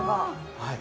はい。